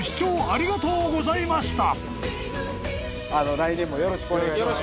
来年もよろしくお願いします。